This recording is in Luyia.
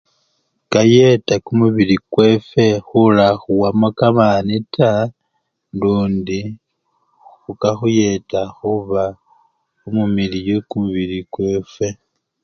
Kayeta kumubili kwefwe khulakhuwamo kamani taa lundi khu! kakhuyeta khuba umumiliyu kumubili kwefwe.